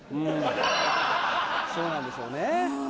うんそうなんでしょうね。